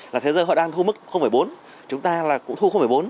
là thế giới họ đang thu mức bốn chúng ta là cũng thu bốn